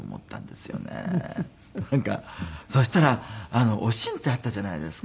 そしたら『おしん』ってあったじゃないですか。